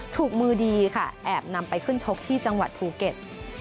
ถูกมือดีค่ะแอบนำไปขึ้นชกที่จังหวัดภูเก็ต